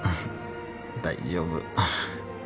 大丈夫。